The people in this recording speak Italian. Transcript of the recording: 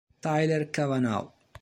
Tyler Cavanaugh